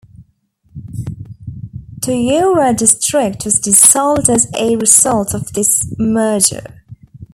Toyoura District was dissolved as a result of this merger.